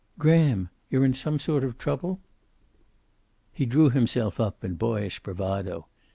"Graham, you're in some sort of trouble?" He drew himself up in boyish bravado.